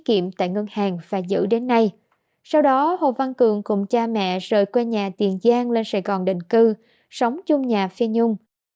kiệm tại ngân hàng và giữ đến nay sau đó hồ văn cường cùng cha mẹ rời quê nhà tiền giang lên sài gòn định cư sống chung nhà phi nhung